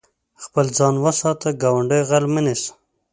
خپل ځان وساته، ګاونډی غل مه نيسه.